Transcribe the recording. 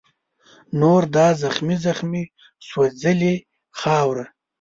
نور دا زخمې زخمي سوځلې خاوره